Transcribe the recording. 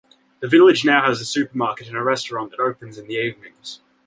The village now has a supermarket and a restaurant that opens in the evenings.